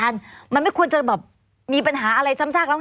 ไงอาจารย์